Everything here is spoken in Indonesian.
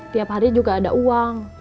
tiap hari juga ada uang